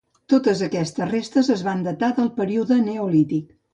Totes aquestes restes es van datar del període neolític.